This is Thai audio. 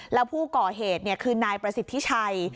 แล้วผู้ก่อเหตุคือนายประสิทธิชัย